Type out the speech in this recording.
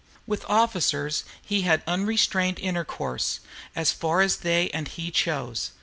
With officers he had unrestrained intercourse, as far as they and he chose.